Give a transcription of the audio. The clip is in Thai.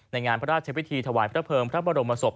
ในงานพระราชพิธีถวายพระเภิงพระบรมศพ